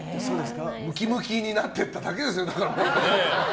ムキムキになっていっただけですよね。